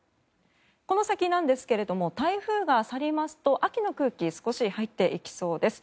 この先なんですが台風が去りますと秋の空気が少し入ってきそうです。